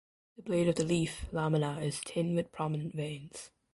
The blade of the leaf (lamina) is thin with prominent veins.